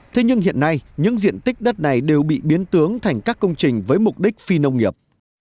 thế nhưng hiện nay những diện tích đất này đều bị biến tướng thành các công trình với mục đích phi nông nghiệp